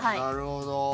なるほど。